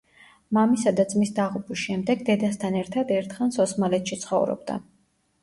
მამისა და ძმის დაღუპვის შემდეგ დედასთან ერთად ერთხანს ოსმალეთში ცხოვრობდა.